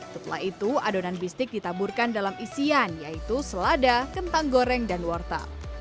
setelah itu adonan bistik ditaburkan dalam isian yaitu selada kentang goreng dan wortel